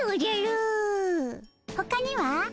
ほかには？